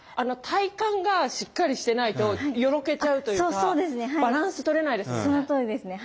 体幹がしっかりしてないとよろけちゃうというかバランス取れないですよね。